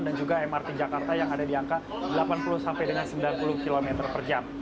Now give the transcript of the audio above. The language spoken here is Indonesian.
dan juga mrt jakarta yang ada di angka delapan puluh sampai dengan sembilan puluh km per jam